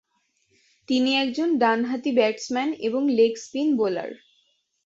তিনি একজন ডানহাতি ব্যাটসম্যান এবং লেগ স্পিন বোলার।